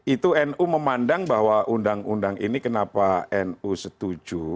itu nu memandang bahwa undang undang ini kenapa nu setuju